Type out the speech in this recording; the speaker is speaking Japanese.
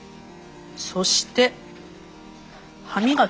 そして歯磨。